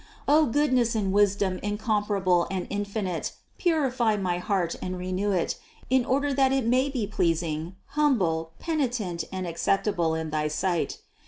O Goodness and Wisdom incomparable and in finite, purify my heart and renew it, in order that it may be pleasing, humble, penitent and acceptable in thy sight.